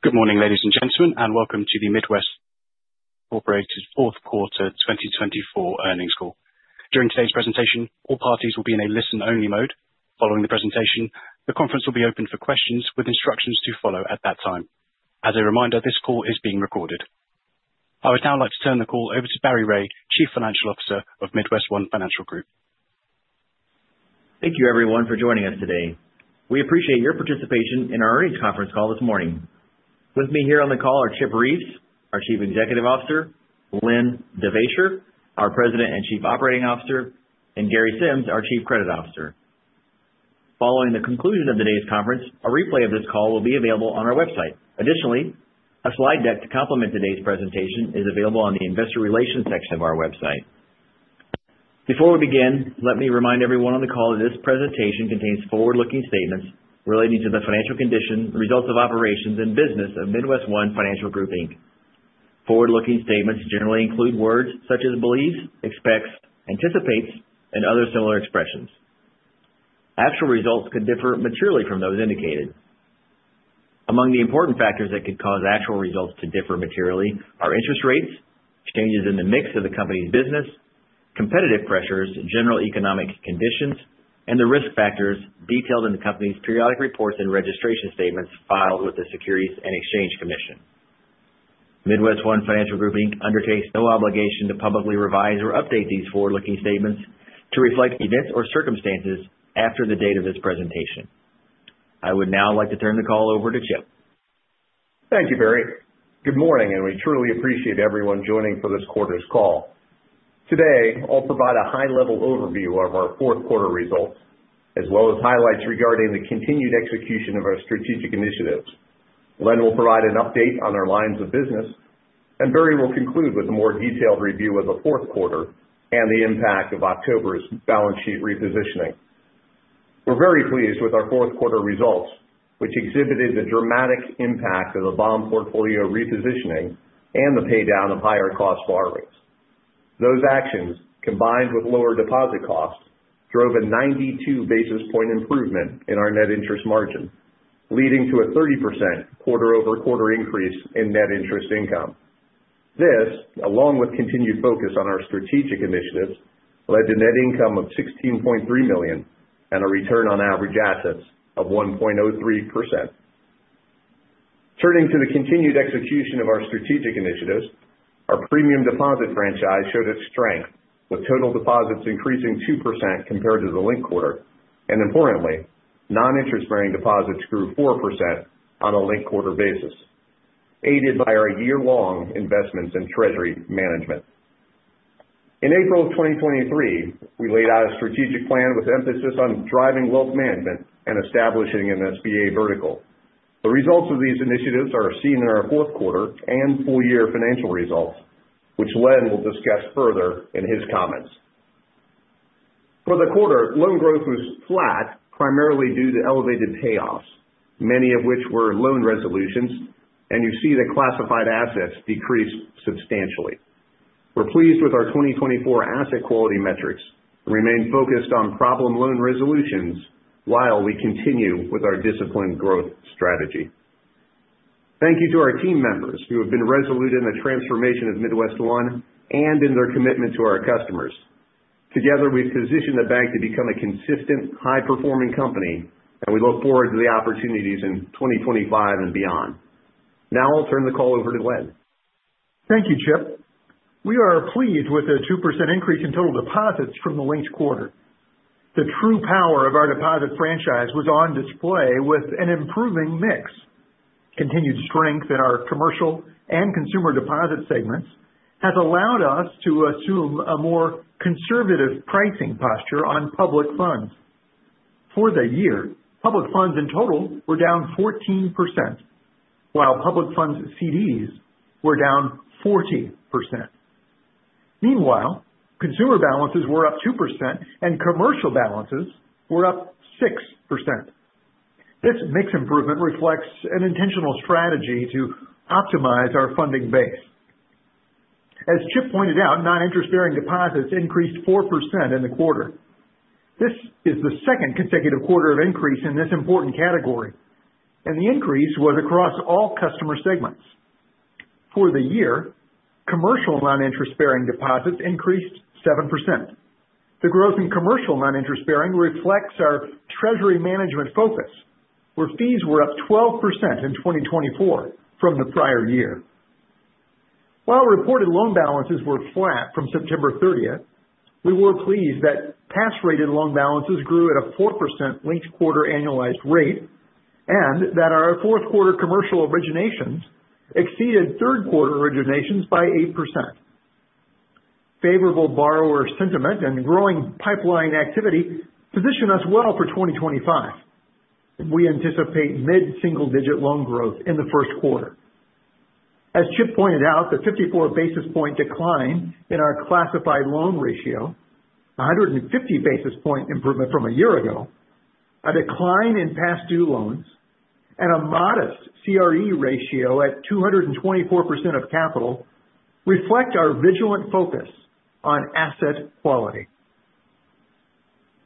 Good morning, ladies and gentlemen, and welcome to the MidWestOne's fourth quarter 2024 earnings call. During today's presentation, all parties will be in a listen-only mode. Following the presentation, the conference will be open for questions with instructions to follow at that time. As a reminder, this call is being recorded. I would now like to turn the call over to Barry Ray, Chief Financial Officer of MidWestOne Financial Group. Thank you, everyone, for joining us today. We appreciate your participation in our earnings conference call this morning. With me here on the call are Chip Reeves, our Chief Executive Officer, Len Devaisher, our President and Chief Operating Officer, and Gary Sims, our Chief Credit Officer. Following the conclusion of today's conference, a replay of this call will be available on our website. Additionally, a slide deck to complement today's presentation is available on the Investor Relations section of our website. Before we begin, let me remind everyone on the call that this presentation contains forward-looking statements relating to the financial condition, results of operations, and business of MidWestOne Financial Group, Inc. Forward-looking statements generally include words such as believes, expects, anticipates, and other similar expressions. Actual results could differ materially from those indicated. Among the important factors that could cause actual results to differ materially are interest rates, changes in the mix of the company's business, competitive pressures, general economic conditions, and the risk factors detailed in the company's periodic reports and registration statements filed with the Securities and Exchange Commission. MidWestOne Financial Group, Inc., undertakes no obligation to publicly revise or update these forward-looking statements to reflect events or circumstances after the date of this presentation. I would now like to turn the call over to Chip. Thank you, Barry. Good morning, and we truly appreciate everyone joining for this quarter's call. Today, I'll provide a high-level overview of our fourth quarter results, as well as highlights regarding the continued execution of our strategic initiatives. Len will provide an update on our lines of business, and Barry will conclude with a more detailed review of the fourth quarter and the impact of October's balance sheet repositioning. We're very pleased with our fourth quarter results, which exhibited the dramatic impact of the bond portfolio repositioning and the paydown of higher-cost borrowings. Those actions, combined with lower deposit costs, drove a 92 basis points improvement in our net interest margin, leading to a 30% quarter-over-quarter increase in net interest income. This, along with continued focus on our strategic initiatives, led to net income of $16.3 million and a return on average assets of 1.03%. Turning to the continued execution of our strategic initiatives, our premium deposit franchise showed its strength, with total deposits increasing 2% compared to the linked quarter, and importantly, non-interest-bearing deposits grew 4% on a linked quarter basis, aided by our year-long investments in treasury management. In April of 2023, we laid out a strategic plan with emphasis on driving wealth management and establishing an SBA vertical. The results of these initiatives are seen in our fourth quarter and full-year financial results, which Len will discuss further in his comments. For the quarter, loan growth was flat, primarily due to elevated payoffs, many of which were loan resolutions, and you see the classified assets decrease substantially. We're pleased with our 2024 asset quality metrics and remain focused on problem loan resolutions while we continue with our disciplined growth strategy. Thank you to our team members who have been resolute in the transformation of MidWestOne and in their commitment to our customers. Together, we've positioned the bank to become a consistent, high-performing company, and we look forward to the opportunities in 2025 and beyond. Now I'll turn the call over to Len. Thank you, Chip. We are pleased with the 2% increase in total deposits from the linked quarter. The true power of our deposit franchise was on display with an improving mix. Continued strength in our commercial and consumer deposit segments has allowed us to assume a more conservative pricing posture on public funds. For the year, public funds in total were down 14%, while public funds CDs were down 40%. Meanwhile, consumer balances were up 2%, and commercial balances were up 6%. This mix improvement reflects an intentional strategy to optimize our funding base. As Chip pointed out, non-interest-bearing deposits increased 4% in the quarter. This is the second consecutive quarter of increase in this important category, and the increase was across all customer segments. For the year, commercial non-interest-bearing deposits increased 7%. The growth in commercial non-interest-bearing reflects our treasury management focus, where fees were up 12% in 2024 from the prior year. While reported loan balances were flat from September 30th, we were pleased that pass-rated loan balances grew at a 4% linked quarter annualized rate and that our fourth quarter commercial originations exceeded third quarter originations by 8%. Favorable borrower sentiment and growing pipeline activity position us well for 2025. We anticipate mid-single-digit loan growth in the first quarter. As Chip pointed out, the 54 basis point decline in our classified loan ratio, 150 basis point improvement from a year ago, a decline in past due loans, and a modest CRE ratio at 224% of capital reflect our vigilant focus on asset quality.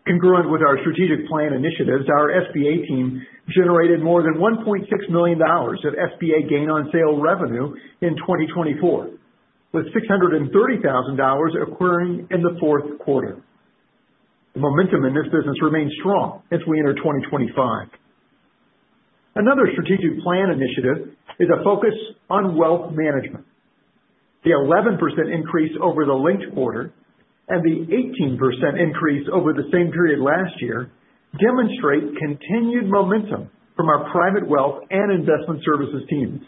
Congruent with our strategic plan initiatives, our SBA team generated more than $1.6 million of SBA gain-on-sale revenue in 2024, with $630,000 occurring in the fourth quarter. The momentum in this business remains strong as we enter 2025. Another strategic plan initiative is a focus on wealth management. The 11% increase over the linked quarter and the 18% increase over the same period last year demonstrate continued momentum from our private wealth and investment services teams.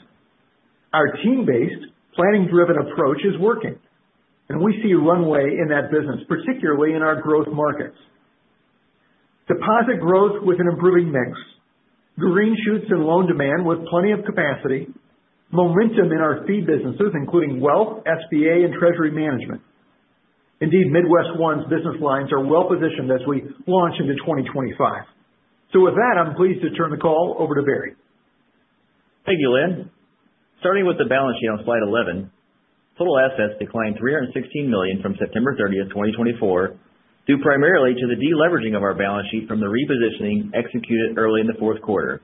Our team-based, planning-driven approach is working, and we see runway in that business, particularly in our growth markets. Deposit growth with an improving mix, green shoots in loan demand with plenty of capacity, momentum in our fee businesses, including wealth, SBA, and treasury management. Indeed, MidWestOne's business lines are well positioned as we launch into 2025. So with that, I'm pleased to turn the call over to Barry. Thank you, Len. Starting with the balance sheet on slide 11, total assets declined $316 million from September 30th, 2024, due primarily to the deleveraging of our balance sheet from the repositioning executed early in the fourth quarter.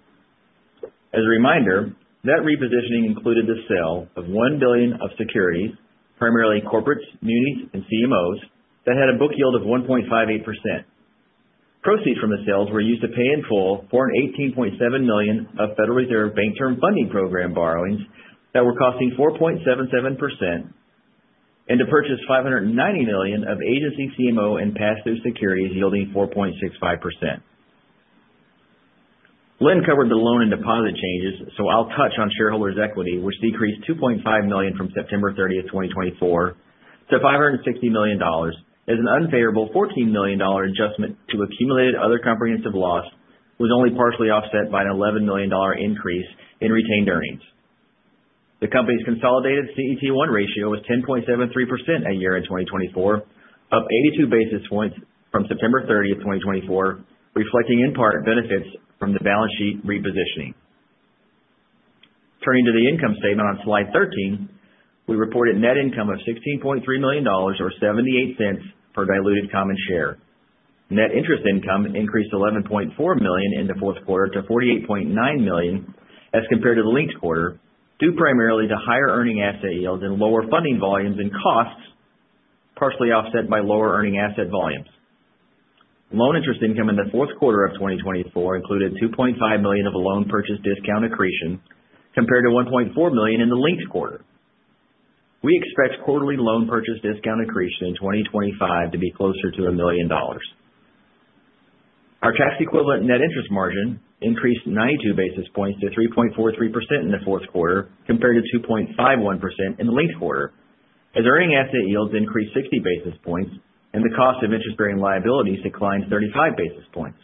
As a reminder, that repositioning included the sale of $1 billion of securities, primarily corporates, munis, and CMOs, that had a book yield of 1.58%. Proceeds from the sales were used to pay in full $418.7 million of Federal Reserve Bank Term Funding Program borrowings that were costing 4.77%, and to purchase $590 million of agency CMO and pass-through securities yielding 4.65%. Len covered the loan and deposit changes, so I'll touch on shareholders' equity, which decreased $2.5 million from September 30th, 2024, to $560 million as an unfavorable $14 million adjustment to accumulated other comprehensive loss, which was only partially offset by an $11 million increase in retained earnings. The company's consolidated CET1 ratio was 10.73% at year-end 2024, up 82 basis points from September 30th, 2024, reflecting in part benefits from the balance sheet repositioning. Turning to the income statement on slide 13, we reported net income of $16.3 million, or $0.78, per diluted common share. Net interest income increased $11.4 million in the fourth quarter to $48.9 million as compared to the linked quarter, due primarily to higher earning asset yields and lower funding volumes and costs, partially offset by lower earning asset volumes. Loan interest income in the fourth quarter of 2024 included $2.5 million of a loan purchase discount accretion, compared to $1.4 million in the linked quarter. We expect quarterly loan purchase discount accretion in 2025 to be closer to $1 million. Our tax-equivalent net interest margin increased 92 basis points to 3.43% in the fourth quarter, compared to 2.51% in the linked quarter, as earning asset yields increased 60 basis points and the cost of interest-bearing liabilities declined 35 basis points.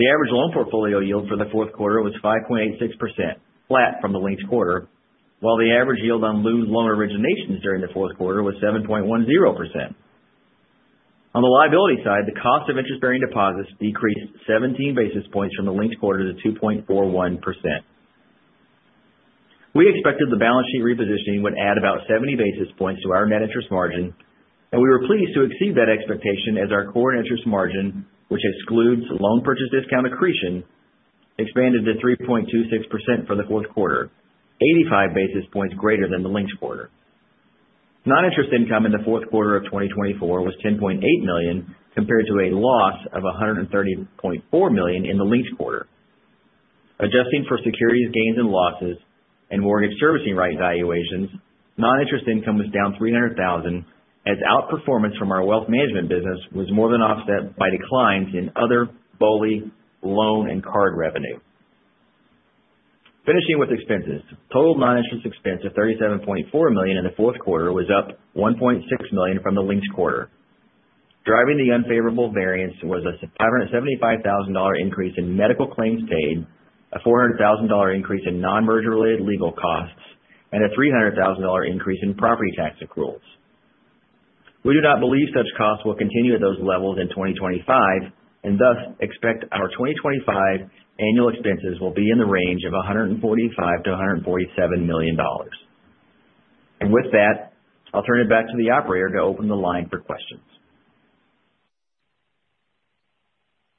The average loan portfolio yield for the fourth quarter was 5.86%, flat from the linked quarter, while the average yield on loan originations during the fourth quarter was 7.10%. On the liability side, the cost of interest-bearing deposits decreased 17 basis points from the linked quarter to 2.41%. We expected the balance sheet repositioning would add about 70 basis points to our net interest margin, and we were pleased to exceed that expectation as our core interest margin, which excludes loan purchase discount accretion, expanded to 3.26% for the fourth quarter, 85 basis points greater than the linked quarter. Non-interest income in the fourth quarter of 2024 was $10.8 million, compared to a loss of $130.4 million in the linked quarter. Adjusting for securities gains and losses and mortgage servicing rate valuations, non-interest income was down $300,000 as outperformance from our wealth management business was more than offset by declines in other BOLI, loan, and card revenue. Finishing with expenses, total non-interest expense of $37.4 million in the fourth quarter was up $1.6 million from the linked quarter. Driving the unfavorable variance was a $575,000 increase in medical claims paid, a $400,000 increase in non-merger-related legal costs, and a $300,000 increase in property tax accruals. We do not believe such costs will continue at those levels in 2025, and thus expect our 2025 annual expenses will be in the range of $145 million-$147 million. With that, I'll turn it back to the operator to open the line for questions.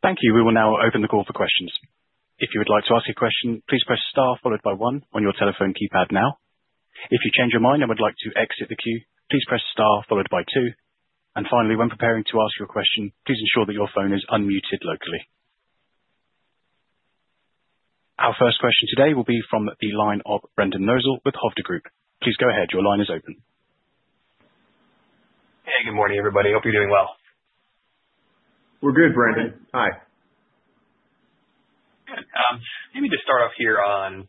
Thank you. We will now open the call for questions. If you would like to ask a question, please press star followed by one on your telephone keypad now. If you change your mind and would like to exit the queue, please press star followed by two. And finally, when preparing to ask your question, please ensure that your phone is unmuted locally. Our first question today will be from the line of Brendan Nosal with Hovde Group. Please go ahead. Your line is open. Hey, good morning, everybody. Hope you're doing well. We're good, Brendan. Hi. Good. Maybe to start off here on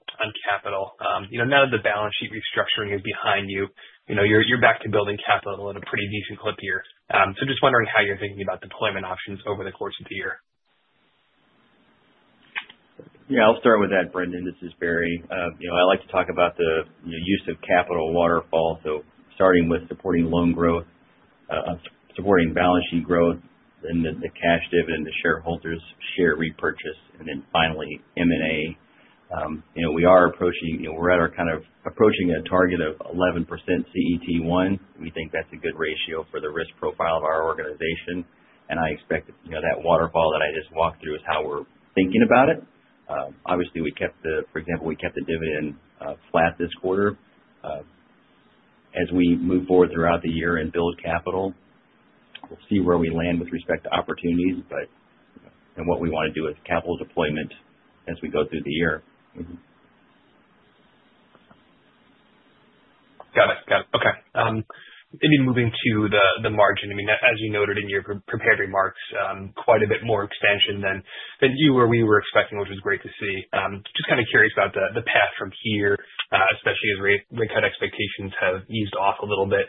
capital, now that the balance sheet restructuring is behind you, you're back to building capital at a pretty decent clip here. So just wondering how you're thinking about deployment options over the course of the year? Yeah, I'll start with that, Brendan. This is Barry. I like to talk about the use of capital waterfall, so starting with supporting loan growth, supporting balance sheet growth, then the cash dividend, the shareholders' share repurchase, and then finally M&A. We are approaching, we're at our kind of approaching a target of 11% CET1. We think that's a good ratio for the risk profile of our organization. And I expect that waterfall that I just walked through is how we're thinking about it. Obviously, we kept the, for example, we kept the dividend flat this quarter. As we move forward throughout the year and build capital, we'll see where we land with respect to opportunities, but what we want to do is capital deployment as we go through the year. Got it. Got it. Okay. Maybe moving to the margin. I mean, as you noted in your prepared remarks, quite a bit more expansion than you or we were expecting, which was great to see. Just kind of curious about the path from here, especially as rate cut expectations have eased off a little bit.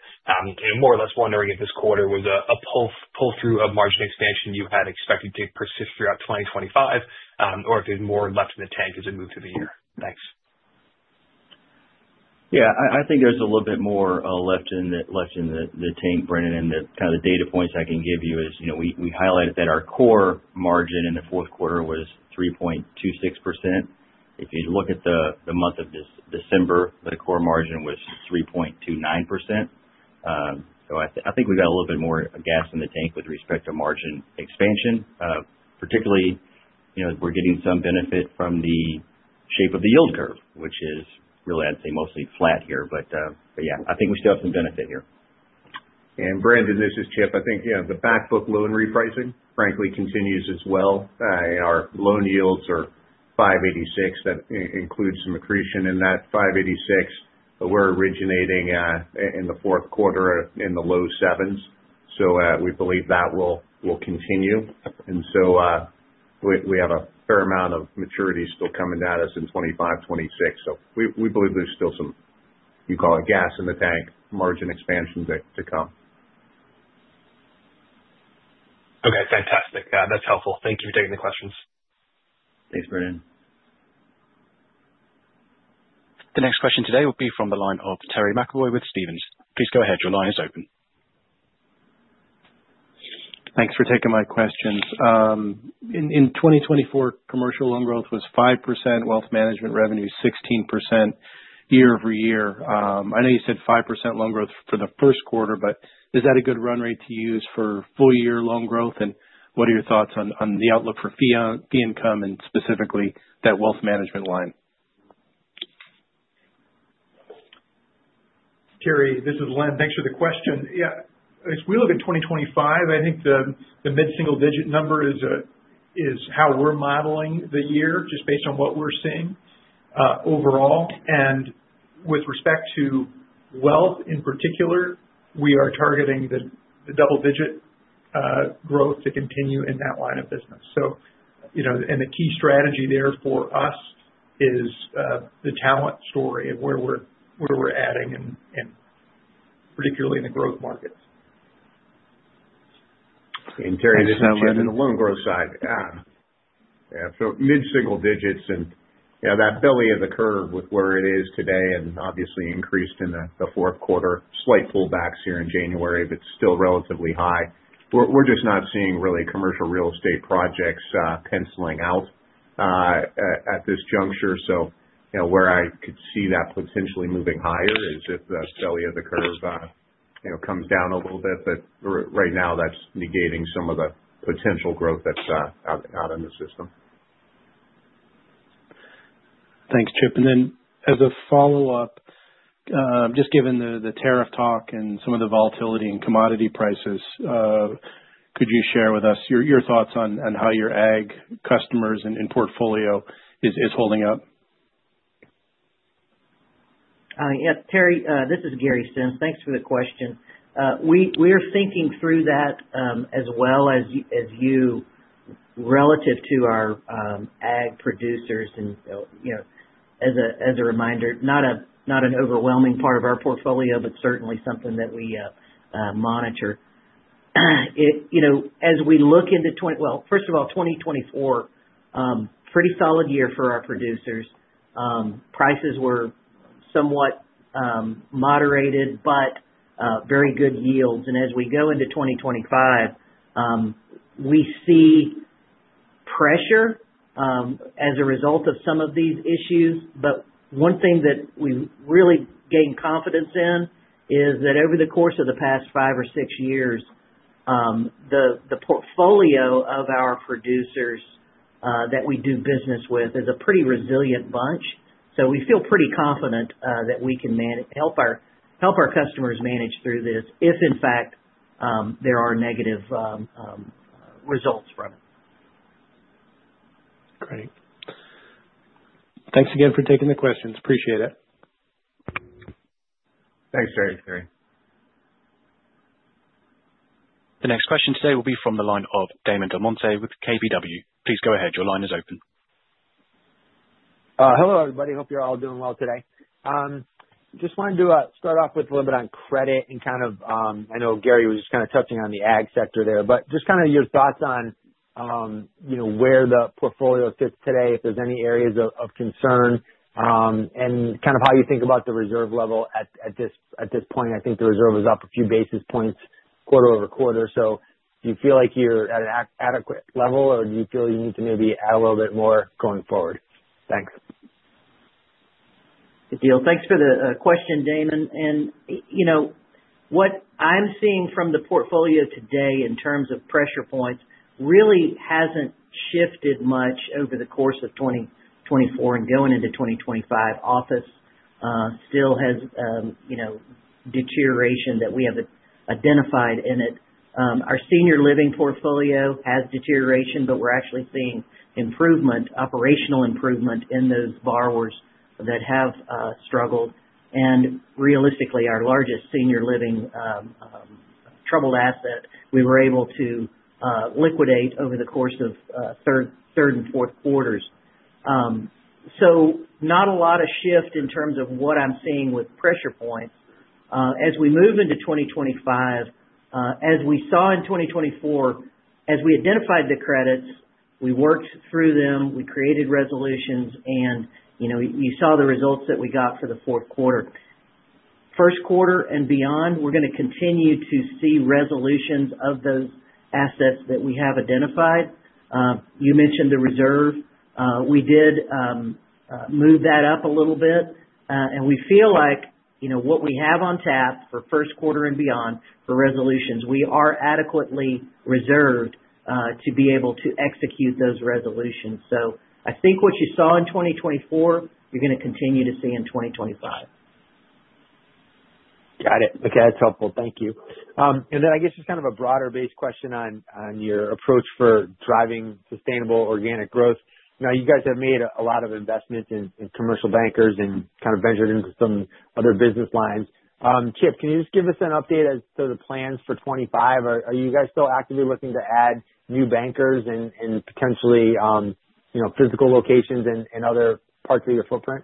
More or less wondering if this quarter was a pull-through of margin expansion you had expected to persist throughout 2025, or if there's more left in the tank as we move through the year. Thanks. Yeah, I think there's a little bit more left in the tank, Brendan, and kind of the data points I can give you is we highlighted that our core margin in the fourth quarter was 3.26%. If you look at the month of December, the core margin was 3.29%. So I think we've got a little bit more gas in the tank with respect to margin expansion, particularly we're getting some benefit from the shape of the yield curve, which is really, I'd say, mostly flat here. But yeah, I think we still have some benefit here. Brendan, this is Chip. I think the backbook loan repricing, frankly, continues as well. Our loan yields are 5.86%. That includes some accretion in that 5.86%, but we're originating in the fourth quarter in the low sevens. So we believe that will continue. And so we have a fair amount of maturity still coming at us in 2025, 2026. So we believe there's still some, you call it gas in the tank, margin expansion to come. Okay. Fantastic. That's helpful. Thank you for taking the questions. Thanks, Brendan. The next question today will be from the line of Terry McEvoy with Stephens. Please go ahead. Your line is open. Thanks for taking my questions. In 2024, commercial loan growth was 5%, wealth management revenue 16% year-over-year. I know you said 5% loan growth for the first quarter, but is that a good run rate to use for full-year loan growth? And what are your thoughts on the outlook for fee income and specifically that wealth management line? Terry, this is Len. Thanks for the question. Yeah, if we look at 2025, I think the mid-single-digit number is how we're modeling the year, just based on what we're seeing overall. And with respect to wealth in particular, we are targeting the double-digit growth to continue in that line of business. And the key strategy there for us is the talent story of where we're adding, and particularly in the growth markets. Terry, and the loan growth side. Yeah, so mid-single digits and that belly of the curve with where it is today and obviously increased in the fourth quarter, slight pullbacks here in January, but still relatively high. We're just not seeing really commercial real estate projects penciling out at this juncture, so where I could see that potentially moving higher is if the belly of the curve comes down a little bit, but right now, that's negating some of the potential growth that's out in the system. Thanks, Chip. And then as a follow-up, just given the tariff talk and some of the volatility in commodity prices, could you share with us your thoughts on how your ag customers and portfolio is holding up? Yes, Terry, this is Gary Sims. Thanks for the question. We are thinking through that as well as you relative to our ag producers and as a reminder, not an overwhelming part of our portfolio, but certainly something that we monitor. As we look into, well, first of all, 2024, pretty solid year for our producers. Prices were somewhat moderated, but very good yields and as we go into 2025, we see pressure as a result of some of these issues but one thing that we really gained confidence in is that over the course of the past five or six years, the portfolio of our producers that we do business with is a pretty resilient bunch so we feel pretty confident that we can help our customers manage through this if, in fact, there are negative results from it. Great. Thanks again for taking the questions. Appreciate it. Thanks, Terry. The next question today will be from the line of Damon DelMonte with KBW. Please go ahead. Your line is open. Hello, everybody. Hope you're all doing well today. Just wanted to start off with a little bit on credit and kind of, I know Gary was just kind of touching on the ag sector there, but just kind of your thoughts on where the portfolio sits today, if there's any areas of concern, and kind of how you think about the reserve level at this point. I think the reserve is up a few basis points quarter over quarter. So do you feel like you're at an adequate level, or do you feel you need to maybe add a little bit more going forward? Thanks. Thanks for the question, Damon, and what I'm seeing from the portfolio today in terms of pressure points really hasn't shifted much over the course of 2024 and going into 2025. Office still has deterioration that we have identified in it. Our senior living portfolio has deterioration, but we're actually seeing improvement, operational improvement in those borrowers that have struggled. And realistically, our largest senior living troubled asset, we were able to liquidate over the course of third and fourth quarters. So not a lot of shift in terms of what I'm seeing with pressure points. As we move into 2025, as we saw in 2024, as we identified the credits, we worked through them, we created resolutions, and you saw the results that we got for the fourth quarter. First quarter and beyond, we're going to continue to see resolutions of those assets that we have identified. You mentioned the reserve. We did move that up a little bit, and we feel like what we have on tap for first quarter and beyond for resolutions, we are adequately reserved to be able to execute those resolutions. So I think what you saw in 2024, you're going to continue to see in 2025. Got it. Okay. That's helpful. Thank you. And then I guess just kind of a broader-based question on your approach for driving sustainable organic growth. Now, you guys have made a lot of investments in commercial bankers and kind of ventured into some other business lines. Chip, can you just give us an update as to the plans for 2025? Are you guys still actively looking to add new bankers and potentially physical locations and other parts of your footprint?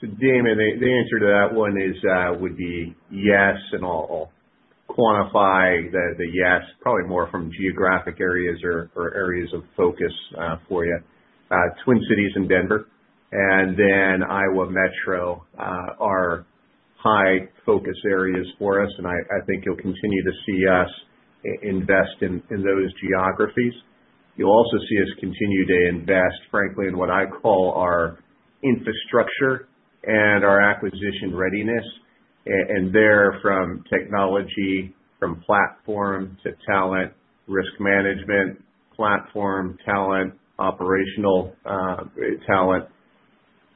So, Damon, the answer to that one would be yes, and I'll quantify the yes probably more from geographic areas or areas of focus for you. Twin Cities and Denver and then Iowa Metro are high-focus areas for us, and I think you'll continue to see us invest in those geographies. You'll also see us continue to invest, frankly, in what I call our infrastructure and our acquisition readiness. And there from technology, from platform to talent, risk management, platform, talent, operational talent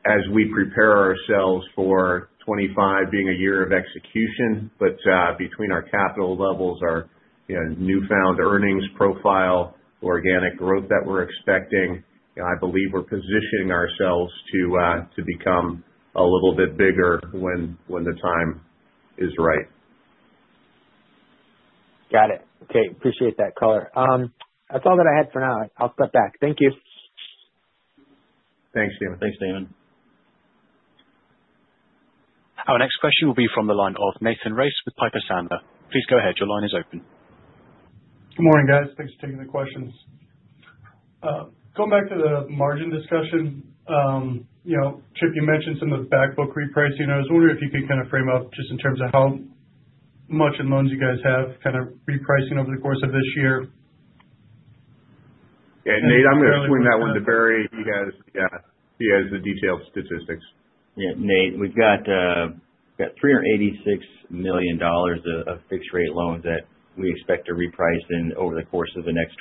as we prepare ourselves for 2025 being a year of execution. But between our capital levels, our newfound earnings profile, organic growth that we're expecting, I believe we're positioning ourselves to become a little bit bigger when the time is right. Got it. Okay. Appreciate that color. That's all that I had for now. I'll step back. Thank you. Thanks, Damon. Thanks, Damon. Our next question will be from the line of Nathan Race with Piper Sandler. Please go ahead. Your line is open. Good morning, guys. Thanks for taking the questions. Going back to the margin discussion, Chip, you mentioned some of the backbook repricing. I was wondering if you could kind of frame up just in terms of how much in loans you guys have kind of repricing over the course of this year? Nate, I'm going to swing that one to Barry. He has the detailed statistics. Yeah, Nate, we've got $386 million of fixed-rate loans that we expect to reprice in over the course of the next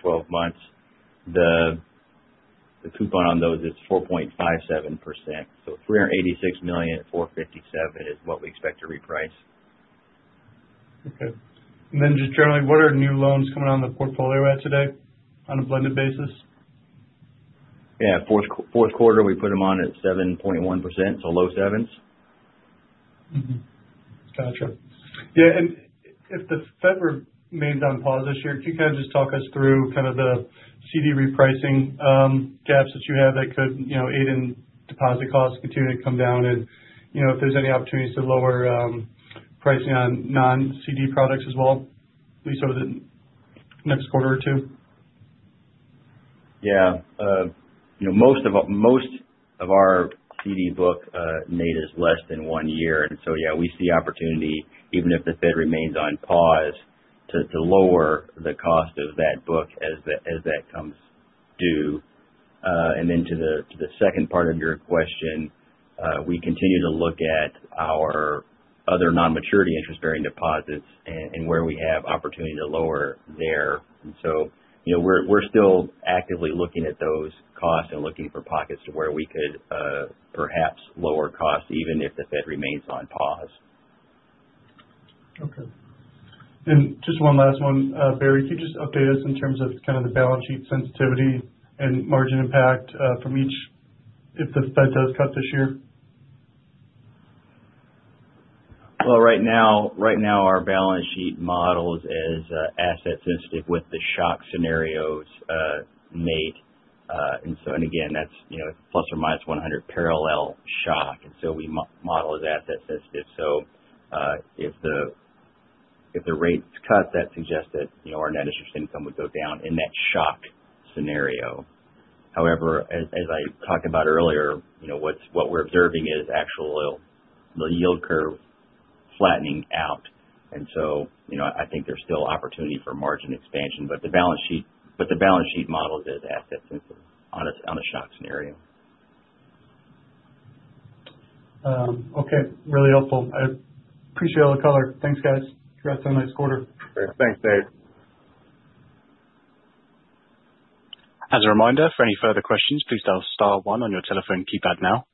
12 months. The coupon on those is 4.57%. So $386 million at 4.57% is what we expect to reprice. Okay, and then just generally, what are new loans coming on the portfolio at today on a blended basis? Yeah, fourth quarter, we put them on at 7.1%, so low sevens. Gotcha. Yeah. And if the Fed remains on pause this year, can you kind of just talk us through kind of the CD repricing gaps that you have that could aid in deposit costs continuing to come down? And if there's any opportunities to lower pricing on non-CD products as well, at least over the next quarter or two? Yeah. Most of our CD book, Nate, is less than one year. And so, yeah, we see opportunity, even if the Fed remains on pause, to lower the cost of that book as that comes due. And then to the second part of your question, we continue to look at our other non-maturity interest-bearing deposits and where we have opportunity to lower there. And so we're still actively looking at those costs and looking for pockets to where we could perhaps lower costs even if the Fed remains on pause. Okay. And just one last one. Barry, could you just update us in terms of kind of the balance sheet sensitivity and margin impact from each if the Fed does cut this year? Right now, our balance sheet model is asset-sensitive with the shock scenarios, Nate. Again, that's plus or minus 100 parallel shock. We model as asset-sensitive. If the rate's cut, that suggests that our net interest income would go down in that shock scenario. However, as I talked about earlier, what we're observing is actually the yield curve flattening out. I think there's still opportunity for margin expansion. The balance sheet model is asset-sensitive on a shock scenario. Okay. Really helpful. I appreciate all the color. Thanks, guys. Congrats on the next quarter. Great. Thanks, Nate. As a reminder, for any further questions, please dial star one on your telephone keypad now.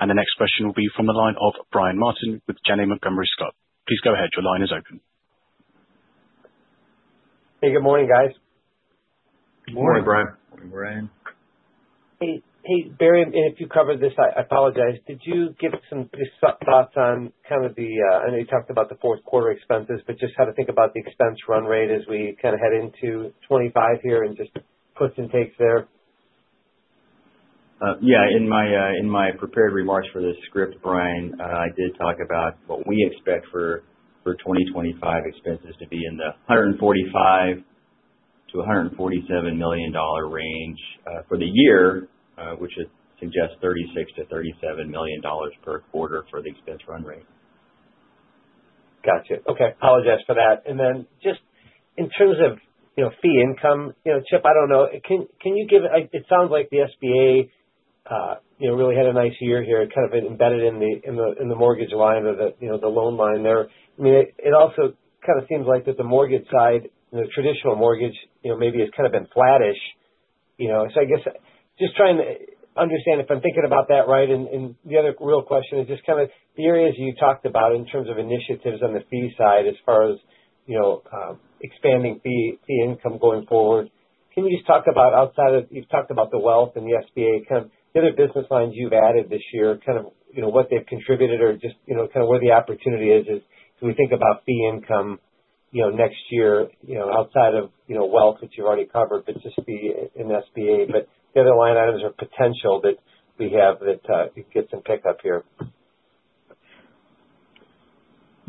The next question will be from the line of Brian Martin with Janney Montgomery Scott. Please go ahead. Your line is open. Hey, good morning, guys. Good morning. Morning, Brian. Morning, Brian. Hey, Barry, if you covered this, I apologize. Did you give some thoughts on kind of the, I know you talked about the fourth quarter expenses, but just how to think about the expense run rate as we kind of head into 2025 here and just puts and takes there? Yeah. In my prepared remarks for this script, Brian, I did talk about what we expect for 2025 expenses to be in the $145 million-$147 million range for the year, which would suggest $36 million-$37 million per quarter for the expense run rate. Gotcha. Okay. Apologize for that. And then just in terms of fee income, Chip, I don't know. Can you give it. It sounds like the SBA really had a nice year here, kind of embedded in the mortgage line or the loan line there. I mean, it also kind of seems like that the mortgage side, the traditional mortgage, maybe it's kind of been flattish. So I guess just trying to understand if I'm thinking about that right. And the other real question is just kind of the areas you talked about in terms of initiatives on the fee side as far as expanding fee income going forward. Can you just talk about outside of, you've talked about the wealth and the SBA, kind of the other business lines you've added this year, kind of what they've contributed or just kind of where the opportunity is as we think about fee income next year outside of wealth that you've already covered, but just the SBA. But the other line items are potential that we have that gets some pickup here?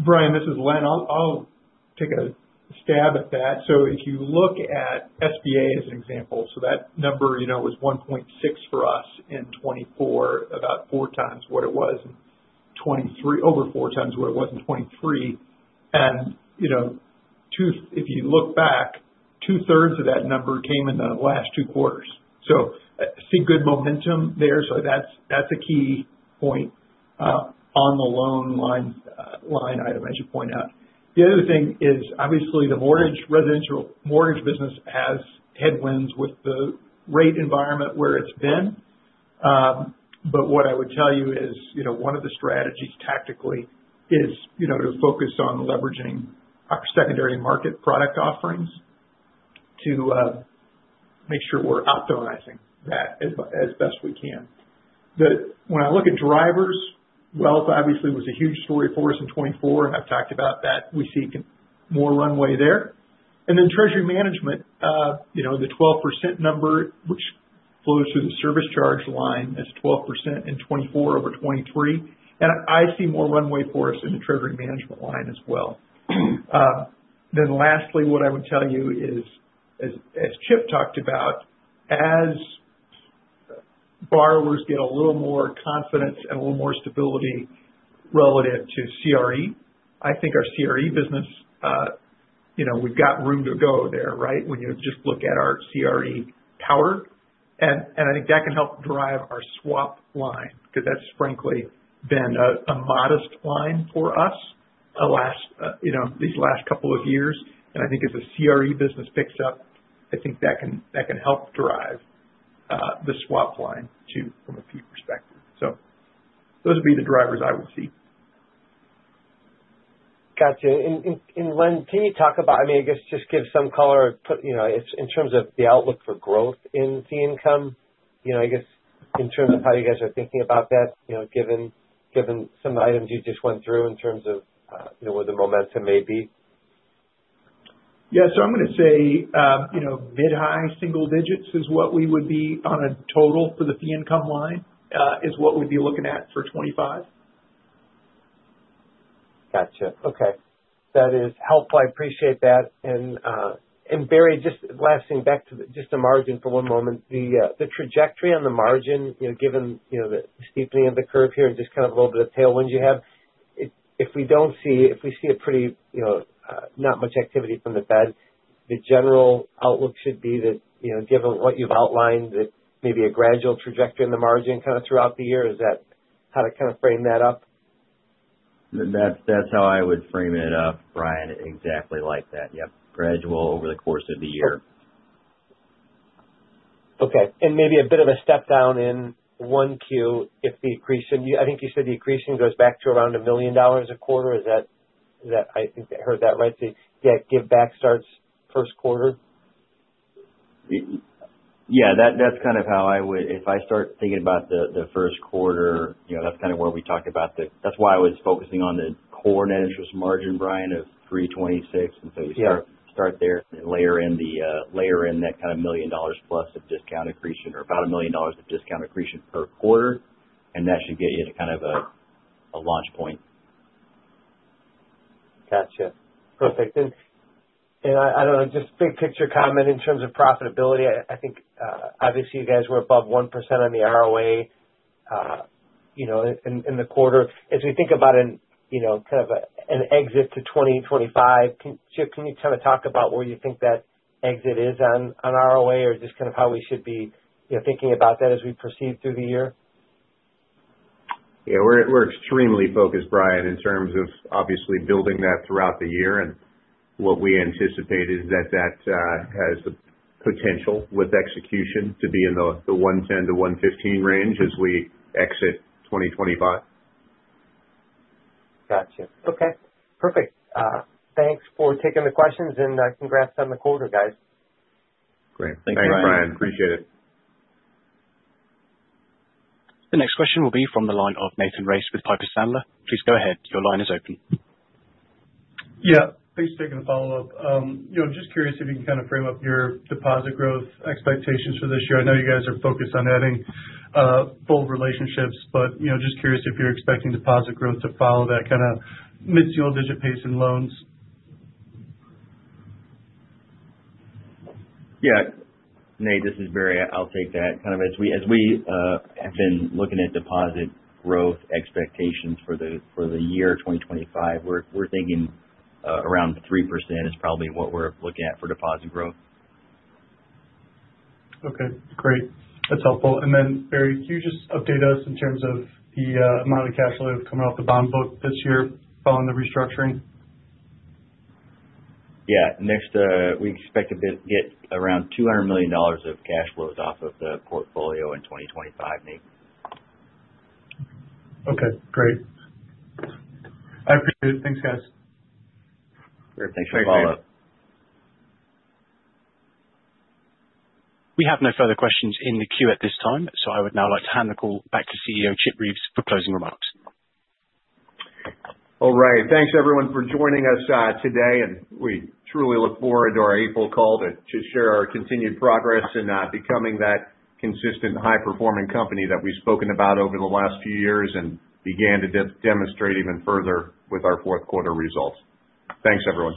Brian, this is Len. I'll take a stab at that. So if you look at SBA as an example, so that number was 1.6 for us in 2024, about four times what it was in 2023, over four times what it was in 2023, and if you look back, two-thirds of that number came in the last two quarters, so I see good momentum there, so that's a key point on the loan line item, as you point out. The other thing is, obviously, the mortgage business has headwinds with the rate environment where it's been, but what I would tell you is one of the strategies tactically is to focus on leveraging our secondary market product offerings to make sure we're optimizing that as best we can, but when I look at drivers, wealth obviously was a huge story for us in 2024, and I've talked about that. We see more runway there. And then treasury management, the 12% number, which flows through the service charge line as 12% in 2024 over 2023. And I see more runway for us in the treasury management line as well. Then lastly, what I would tell you is, as Chip talked about, as borrowers get a little more confidence and a little more stability relative to CRE, I think our CRE business, we've got room to go there, right, when you just look at our CRE power. And I think that can help drive our swap line because that's frankly been a modest line for us these last couple of years. And I think as the CRE business picks up, I think that can help drive the swap line too from a fee perspective. So those would be the drivers I would see. Gotcha, and Len, can you talk about, I mean, I guess just give some color in terms of the outlook for growth in fee income, I guess, in terms of how you guys are thinking about that, given some of the items you just went through in terms of where the momentum may be? Yeah. So I'm going to say mid-high single digits is what we would be on a total for the fee income line is what we'd be looking at for 2025. Gotcha. Okay. That is helpful. I appreciate that. And Barry, just last thing back to just the margin for one moment. The trajectory on the margin, given the steepening of the curve here and just kind of a little bit of tailwind you have, if we see pretty much no activity from the Fed, the general outlook should be that, given what you've outlined, that maybe a gradual trajectory in the margin kind of throughout the year. Is that how to kind of frame that up? That's how I would frame it up, Brian, exactly like that. Yep. Gradual over the course of the year. Okay. And maybe a bit of a step down in 1Q if the accretion, I think you said the accretion goes back to around $1 million a quarter. Is that, I think I heard that right? So yeah, give back starts first quarter? Yeah. That's kind of how I would, if I start thinking about the first quarter, that's kind of where we talk about the, that's why I was focusing on the core net interest margin, Brian, of 3.26. And so you start there and then layer in that kind of million dollars plus of discount accretion or about a million dollars of discount accretion per quarter. And that should get you to kind of a launch point. Gotcha. Perfect. And I don't know, just big picture comment in terms of profitability. I think obviously you guys were above 1% on the ROA in the quarter. As we think about kind of an exit to 2025, Chip, can you kind of talk about where you think that exit is on ROA or just kind of how we should be thinking about that as we proceed through the year? Yeah. We're extremely focused, Brian, in terms of obviously building that throughout the year. And what we anticipate is that that has the potential with execution to be in the 110-115 range as we exit 2025. Gotcha. Okay. Perfect. Thanks for taking the questions, and congrats on the quarter, guys. Great. Thanks, Brian. Thanks, Brian. Appreciate it. The next question will be from the line of Nathan Race with Piper Sandler. Please go ahead. Your line is open. Yeah. Thanks for taking the follow-up. I'm just curious if you can kind of frame up your deposit growth expectations for this year. I know you guys are focused on adding full relationships, but just curious if you're expecting deposit growth to follow that kind of mid-single digit pace in loans? Yeah. Nate, this is Barry. I'll take that. Kind of as we have been looking at deposit growth expectations for the year 2025, we're thinking around 3% is probably what we're looking at for deposit growth. Okay. Great. That's helpful. And then, Barry, can you just update us in terms of the amount of cash flow that's coming off the bond book this year following the restructuring? Yeah. Next, we expect to get around $200 million of cash flows off of the portfolio in 2025, Nate. Okay. Great. I appreciate it. Thanks, guys. Great. Thanks for the follow-up. We have no further questions in the queue at this time. So I would now like to hand the call back to CEO Chip Reeves for closing remarks. All right. Thanks, everyone, for joining us today. And we truly look forward to our April call to share our continued progress in becoming that consistent high-performing company that we've spoken about over the last few years and began to demonstrate even further with our fourth quarter results. Thanks, everyone.